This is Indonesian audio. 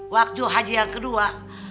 waktu haji yang kedua